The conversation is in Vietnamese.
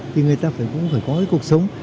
thì người ta cũng phải có cái cuộc sống